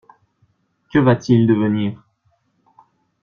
Que va-t-il devenir?